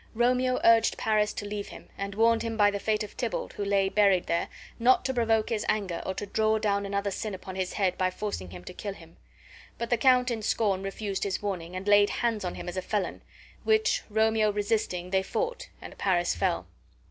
Romeo urged Paris to leave him, and warned him by the fate of Tybalt, who lay buried there, not to provoke his anger or draw down another sin upon his head by forcing him to kill him. But the count in scorn refused his warning, and laid hands on him as a felon, which, Romeo resisting, they fought, and Paris fell.